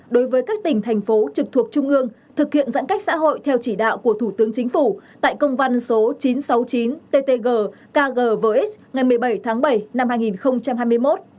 đối với các tỉnh thành phố trực thuộc trung ương thực hiện giãn cách xã hội theo chỉ đạo của thủ tướng chính phủ tại công văn số chín trăm sáu mươi chín ttg kg ngày một mươi bảy tháng bảy năm hai nghìn hai mươi một